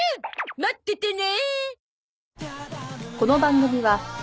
待っててね。